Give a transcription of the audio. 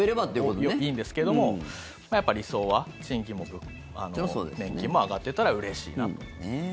いいんですけどもやっぱり、理想は賃金も年金も上がっていたらうれしいなと。